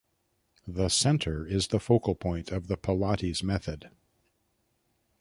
The center is the focal point of the Pilates method.